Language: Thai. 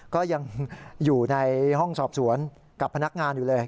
ก็ยังอยู่ในห้องสอบสวนกับพนักงานอยู่เลย